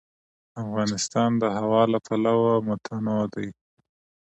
افغانستان د هوا له پلوه متنوع دی.